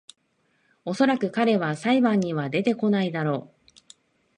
おそらく彼は裁判には出てこないだろ